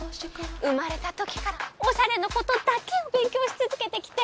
生まれたときからおしゃれのことだけを勉強し続けてきて。